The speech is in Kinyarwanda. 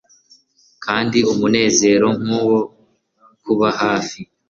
kandi umunezero nkuwo kuba hafi